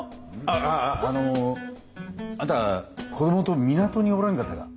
ああああのあんた子供と港におらんかったか？